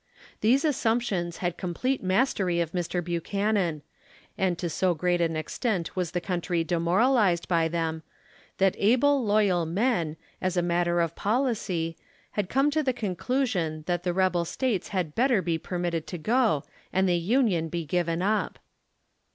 These assumptions had complete mastery of Mr. Buchanan ; and to so great an extent was the country demoralized by them, that able loyal men, as a matter of pollc}", had come to the conclusion, that the rebel States had better be per mitted to go and the Union be given up.